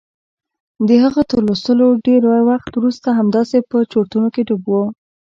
د هغه تر لوستلو ډېر وخت وروسته همداسې په چورتونو کې ډوب و.